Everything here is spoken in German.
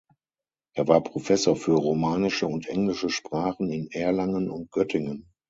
Er war Professor für romanische und englische Sprachen in Erlangen und Göttingen.